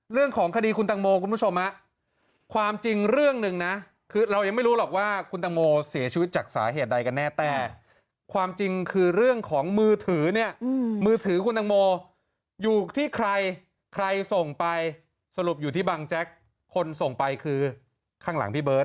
เรื่องของคดีคุณตังโมคุณผู้ชมความจริงเรื่องหนึ่งนะคือเรายังไม่รู้หรอกว่าคุณตังโมเสียชีวิตจากสาเหตุใดกันแน่แต่ความจริงคือเรื่องของมือถือเนี่ยมือถือคุณตังโมอยู่ที่ใครใครส่งไปสรุปอยู่ที่บังแจ๊กคนส่งไปคือข้างหลังพี่เบิร์ต